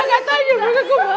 saya tanya aku boleh nggak boleh